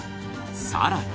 さらに。